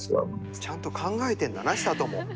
ちゃんと考えてんだな寿人も。